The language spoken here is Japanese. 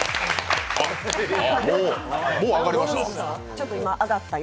もう、上がりました？